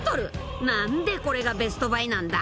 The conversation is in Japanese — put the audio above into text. ［何でこれがベストバイなんだ？］